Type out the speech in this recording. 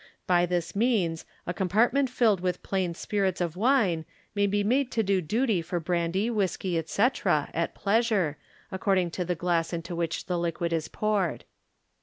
By this means a compartment filled with plain spirits of wine may be made to do duty for brandy, whiskey, etc., at pleasure, according to the glass into which the liquid is poured.